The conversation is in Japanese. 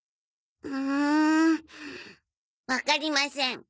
うんわかりません。